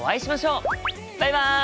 バイバイ！